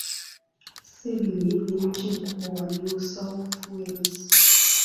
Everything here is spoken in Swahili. Sydney ni mji mkubwa wa New South Wales.